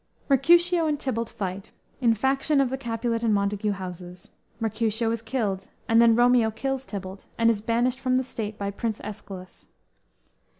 "_ Mercutio and Tybalt fight, in faction of the Capulet and Montague houses. Mercutio is killed, and then Romeo kills Tybalt and is banished from the State by Prince Escalus.